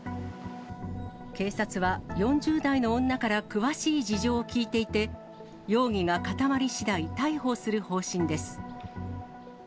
警察は、４０代の女から詳しい事情を聴いていて、容疑が固まりしだい、逮捕する方針です。